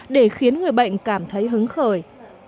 để khiến người bệnh cảm thấy hứng khởi